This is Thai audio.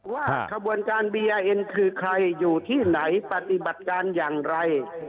ว่าขบวนการบีเอ็นคือใครอยู่ที่ไหนปฏิบัติการอย่างไร